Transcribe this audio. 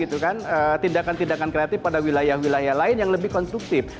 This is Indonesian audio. tindakan tindakan kreatif pada wilayah wilayah lain yang lebih konstruktif